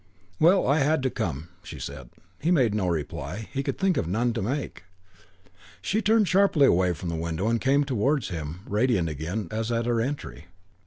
"Well, I had to come," she said. He made no reply. He could think of none to make. II She turned sharply away from the window and came towards him, radiant again, as at her entry.